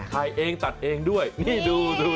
ถ่ายเองตัดเองด้วยนี่ดูดู